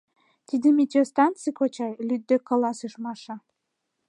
— Тиде метеостанций, кочай, — лӱдде каласыш Маша.